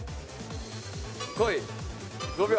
こい！５秒。